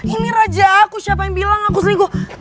ini raja aku siapa yang bilang aku selingkuh